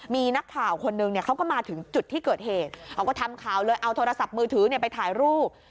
มีนักข่าวคนหนึ่งเขาก็มาถึงจุดที่เกิดเหตุเขาก็ทำข่าวเลยเอาโทรศัพท์มือถือไปถ่ายรูป